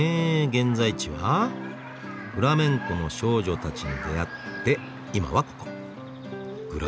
現在地はフラメンコの少女たちに出会って今はここグラナダ旧市街。